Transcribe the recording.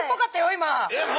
今。